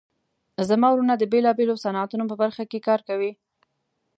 زما وروڼه د بیلابیلو صنعتونو په برخه کې کار کوي